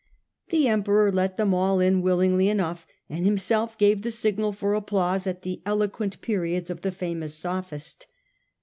The Emperor let them all in willingly enough, and himself gave the signal for applause at the eloquent periods of the famous sophist.